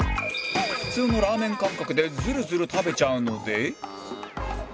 普通のラーメン感覚でズルズル食べちゃうので